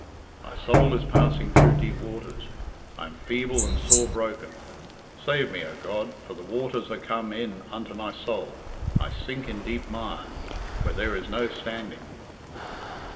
"'My soul is passing through deep waters. I am feeble and sore broken. Save me, O God, for the waters are come in unto my soul, I sink in deep mire, where there is no standing.'"